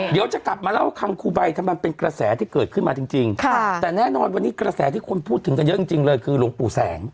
เดี๋ยวจะกลับมาเล่าคังครูใบถ้ามันเป็นกระแสที่เกิดขึ้นมาจริงแต่แน่นอนวันนี้กระแสที่คนพูดถึงกันเยอะจริงเลยคือหลวงปู่แสง